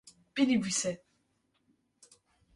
binivîse